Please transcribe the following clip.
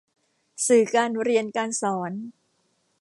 สื่อการเรียนการสอน